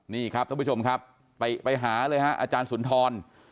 นี่ครับท่านผู้ชมครับติไปหาเลยฮะอาจารย์สุนทร